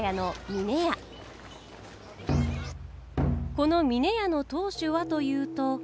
この峰屋の当主はというと。